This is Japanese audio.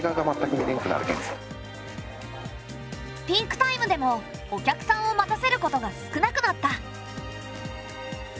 ピークタイムでもお客さんを待たせることが少なくなった。